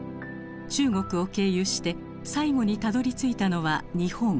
中国を経由して最後にたどりついたのは日本。